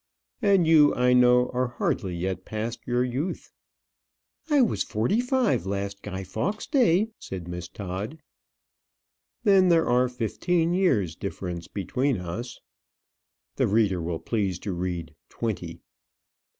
"And you, I know, are hardly yet past your youth." "I was forty five last Guy Fawkes' day," said Miss Todd. "Then there are fifteen years difference between us." The reader will please to read "twenty."